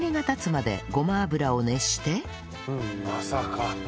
まさか。